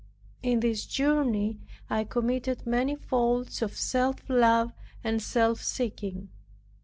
In this journey I committed many faults of self love and self seeking.